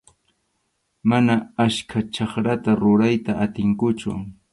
Mana achka chakrata rurayta atinkuchu.